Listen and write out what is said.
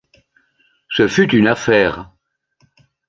Ce fut une affaire.